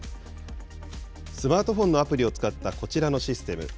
スマートフォンのアプリを使ったこちらのシステム。